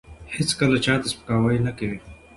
هیڅکله چا ته سپکاوی نه کوي.